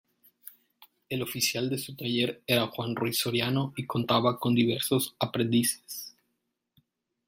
El oficial de su taller era Juan Ruiz Soriano y contaba con diversos aprendices.